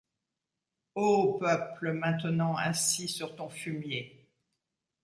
O peuple, maintenant, assis sur ton fumier